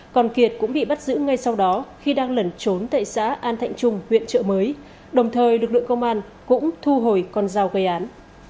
còn kiệt cũng bị bắt giữ ngay sau đó khi đang lẩn trốn tại xã an thạnh trung huyện trợ mới đồng thời lực lượng công an cũng thu hồi con dao gây án